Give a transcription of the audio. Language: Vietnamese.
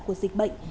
của dịch bệnh